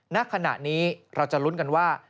ณขณะนี้เราจะลุ้นกันว่า